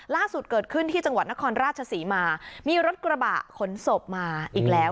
ล่าสุดเกิดขึ้นที่จังหวัดนครราชศรีมามีรถกระบะขนศพมาอีกแล้ว